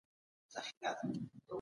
دا ليک بايد په ډېر لنډ وخت کي واستول سي.